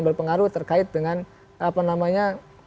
berpengaruh terkait dengan apa namanya